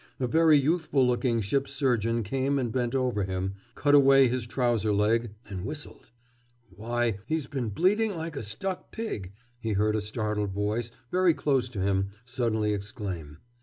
A very youthful looking ship's surgeon came and bent over him, cut away his trouser leg, and whistled. "Why, he's been bleeding like a stuck pig!" he heard a startled voice, very close to him, suddenly exclaim.